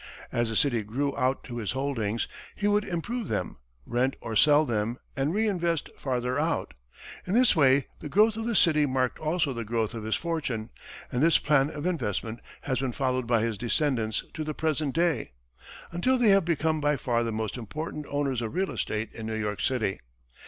As the city grew out to his holdings, he would improve them, rent or sell them, and reinvest further out. In this way the growth of the city marked also the growth of his fortune, and this plan of investment has been followed by his descendants to the present day, until they have become by far the most important owners of real estate in New York City.